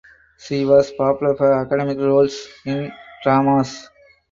She was popular for comedic roles in dramas.